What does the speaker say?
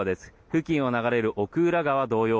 付近を流れる奥浦川同様